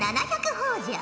ほぉじゃ。